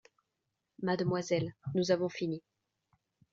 Mademoiselle, nous avons fini…